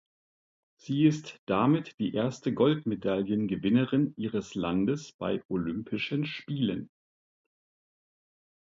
Sie ist damit die erste Goldmedaillengewinnerin ihres Landes bei Olympischen Spielen.